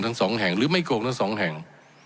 ทั้งสองแห่งหรือไม่โกงทั้งสองแห่ง